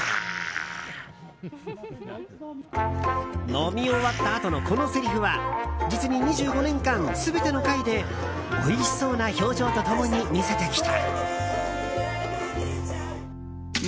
飲み終わったあとのこのせりふは実に２５年間全ての回で、おいしそうな表情と共に見せてきた。